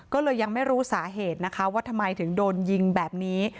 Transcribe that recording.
ก็เลยยังไม่รู้สาเหตุนะคะว่าทำไมถึงโดนยิงแบบนี้